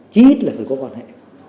chí ít là phải có quan hệ